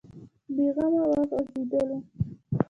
بې غمه وغځېدلو.